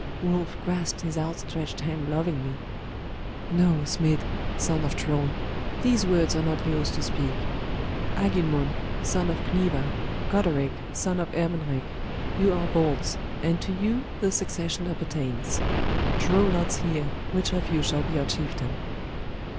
Wulf grasped his outstretched hand lovingly 'No, Smid, son of Troll! These words are not yours to speak. Agilmund son of Cniva, Goderic son of Ermenric, you are Balts, and to you the succession appertains. Draw lots here, which of you shall be our chieftain.